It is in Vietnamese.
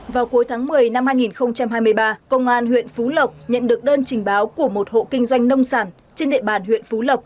vào cuối tháng một mươi năm hai nghìn hai mươi ba công an huyện phú lộc nhận được đơn trình báo của một hộ kinh doanh nông sản trên địa bàn huyện phú lộc